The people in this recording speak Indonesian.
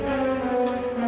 ada bu ambar